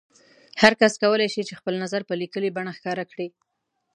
هر کس کولای شي چې خپل نظر په لیکلي بڼه ښکاره کړي.